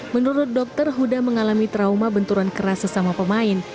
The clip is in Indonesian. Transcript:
menurut dokter huda mengalami trauma benturan keras sesama pemain